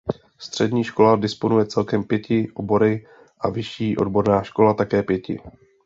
Střední škola disponuje celkem pěti obory a vyšší odborná škola také pěti.